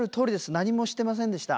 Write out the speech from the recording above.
何もしてませんでした。